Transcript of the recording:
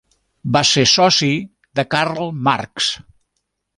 Va ser soci de Karl Marx.